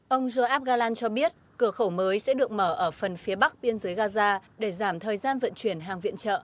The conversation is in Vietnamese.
ông joab galan cho biết cửa khẩu mới sẽ được mở ở phần phía bắc biên giới gaza để giảm thời gian vận chuyển hàng viện trợ